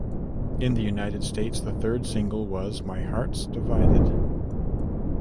In the United States, the third single was "My Heart's Divided".